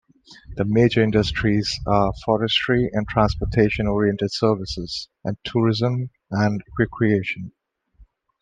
The major industries are forestry and transportation-oriented services and tourism and recreation.